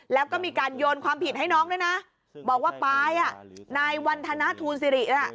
แล้วก็มีการโยนความผิดให้น้องด้วยนะบอกว่าปลายอ่ะนายวันธนทูลสิริน่ะ